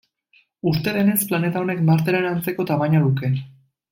Uste denez, planeta honek Marteren antzeko tamaina luke.